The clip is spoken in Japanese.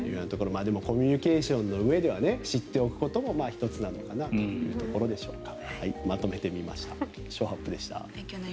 コミュニケーションのうえでは知っておくことも１つなのかなというところでしょうか。